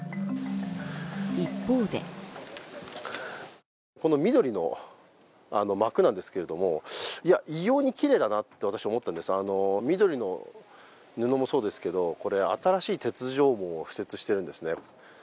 一方でこの緑の幕なんですが、異様にきれいだなと私、思ったんですが緑の布もそうですけど、新しい鉄条網を敷設しているんですね。